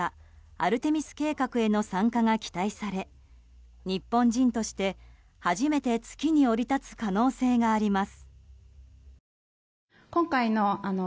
アルテミス計画への参加が期待され日本人として初めて月に降り立つ可能性があります。